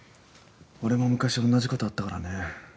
俺も昔同じことあったからね。